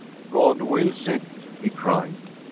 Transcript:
' God wills it/ he cried.